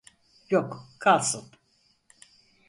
Yok, kalsın.